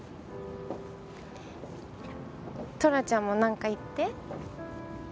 トラちゃんもなんか言って。